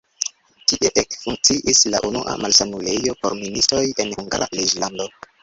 Tie ekfunkciis la unua malsanulejo por ministoj en Hungara reĝlando.